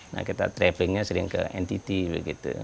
nah kita travelingnya sering ke ntt begitu